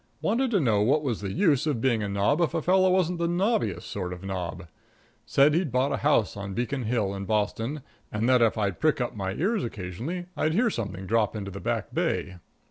Wanted to know what was the use of being a nob if a fellow wasn't the nobbiest sort of a nob. Said he'd bought a house on Beacon Hill, in Boston, and that if I'd prick up my ears occasionally I'd hear something drop into the Back Bay.